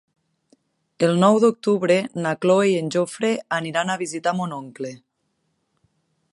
El nou d'octubre na Cloè i en Jofre aniran a visitar mon oncle.